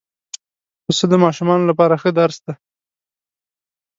پسه د ماشومانو لپاره ښه درس دی.